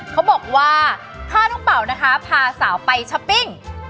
เขาบอกว่าถ้าน้องเป่านะคะพาสาวไปช้อปปิ้ง